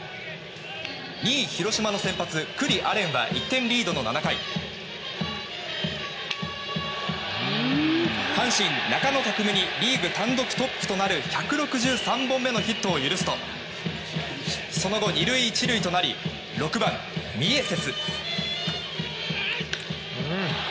２位、広島の先発九里亜蓮は１点リードの７回阪神、中野拓夢にリーグ単独トップとなる１６３本目のヒットを許すとその後、２塁１塁となり６番、ミエセス。